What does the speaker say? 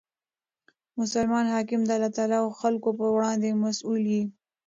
مسلمان حاکم د الله تعالی او خلکو په وړاندي مسئول يي.